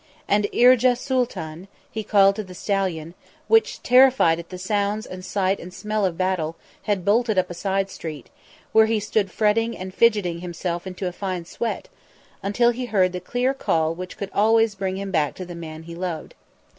And "Irja Sooltan," he called to the stallion, which, terrified at the sounds and sight and smell of battle, had bolted up a side street, where he stood fretting and fidgeting himself into a fine sweat, until he heard the clear call which could always bring him back to the man he loved.